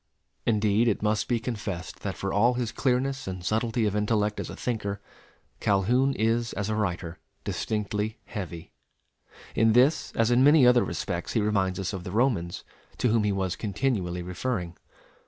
Indeed, it must be confessed that for all his clearness and subtlety of intellect as a thinker, Calhoun is as a writer distinctly heavy. In this as in many other respects he reminds us of the Romans, to whom he was continually referring.